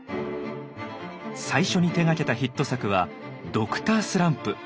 最初に手がけたヒット作は「Ｄｒ．スランプ」。